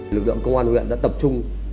lực lượng công an huyện đã tập trung